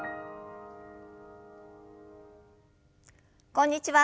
こんにちは。